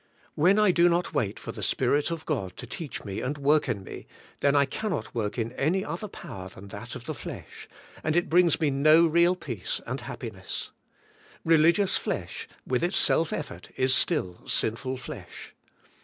When I do not wait for the Spirit of God to teach me and work THK HOLY SPIRIT IN GA^ATIANS. 115 in me then I cannot work in any other power than that of the flesh, and it brings me no real peace and happiness. Religious flesh, with its self effort, is still sinful flesh.